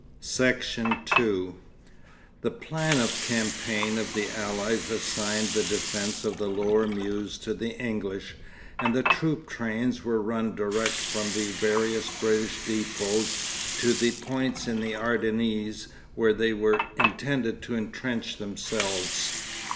Section 2 The plan of campaign of the Allies assigned the defence of the lower Meuse to the English, and the troop trains were run direct from the various British depôts to the points in the Ardennes where they were intended to entrench themselves.